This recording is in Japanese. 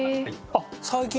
あっ最近。